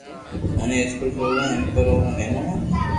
اوني اسڪول سوڙوہ ھي پر او نينو ھي